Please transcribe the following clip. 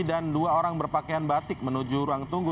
dan dua orang berpakaian batik menuju ruang tunggu